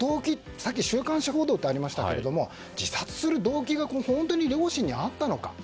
さっき週刊誌報道とありましたが自殺する動機が本当に両親にあったのか。